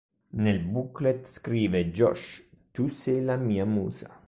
Nel booklet scrive, "Josh, tu sei la mia musa.